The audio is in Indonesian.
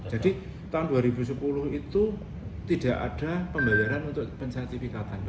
jadi tahun dua ribu sepuluh itu tidak ada pembayaran untuk pensyaratifikatan